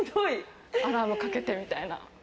アラームかけてみたいな。